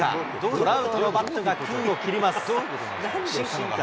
トラウトのバットが空を切ります。